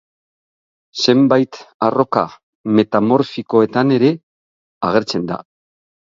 Zenbait arroka metamorfikoetan ere agertzen da.